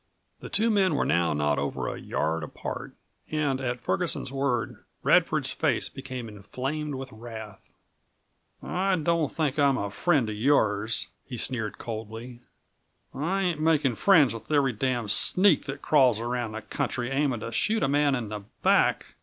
The two men were now not over a yard apart, and at Ferguson's word Radford's face became inflamed with wrath. "I don't think I'm a friend of yours," he sneered coldly; "I ain't making friends with every damned sneak that crawls around the country, aiming to shoot a man in the back."